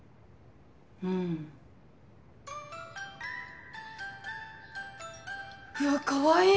うん。うわかわいい！